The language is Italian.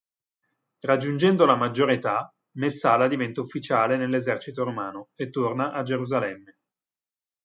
Raggiungendo la maggiore età Messala diventa ufficiale nell'esercito romano e torna a Gerusalemme.